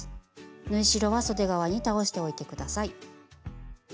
縫い代はそで側に倒しておいて下さい。